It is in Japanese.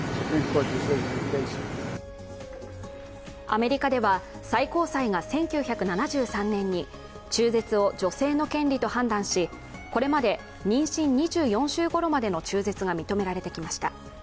アメリカでは、最高裁が１９７３年に中絶を女性の権利と判断しこれまで妊娠２４週ごろまでの中絶が認められてきました。